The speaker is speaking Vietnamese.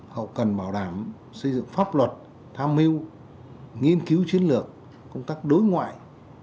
hậu cần bảo đảm xây dựng pháp luật tham mưu nghiên cứu chiến lược công tác đối ngoại